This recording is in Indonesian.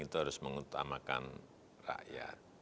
itu harus mengutamakan rakyat